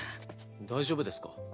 大丈夫ですか？